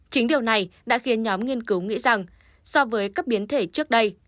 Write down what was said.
chính điều này đã khiến nhóm nghiên cứu nghĩ rằng so với các biến thể trước đây